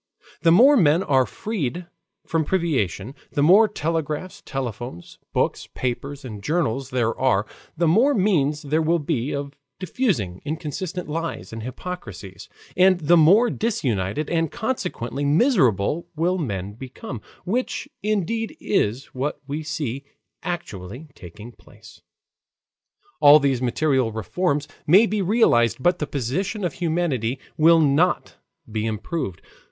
The more men are freed from privation; the more telegraphs, telephones, books, papers, and journals there are; the more means there will be of diffusing inconsistent lies and hypocrisies, and the more disunited and consequently miserable will men become, which indeed is what we see actually taking place. All these material reforms may be realized, but the position of humanity will not be improved.